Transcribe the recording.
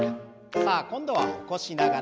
さあ今度は起こしながら。